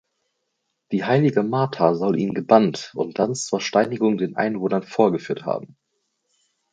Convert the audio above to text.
Die "Heilige Martha" soll ihn gebannt und dann zur Steinigung den Einwohnern vorgeführt haben.